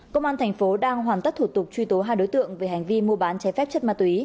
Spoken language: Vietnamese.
công an thành phố đang hoàn tất thủ tục truy tố hai đối tượng về hành vi mua bán trái phép chất ma túy